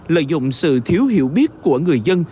lợi dụng sự thiếu hiểu biết của người dân